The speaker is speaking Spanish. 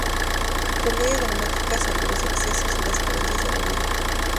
Comedia dramática sobre los excesos y las carencias de la vida.